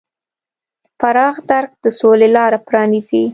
پراخ درک د سولې لاره پرانیزي.